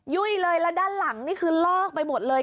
ยุ่ยเลยแล้วด้านหลังนี่คือลอกไปหมดเลย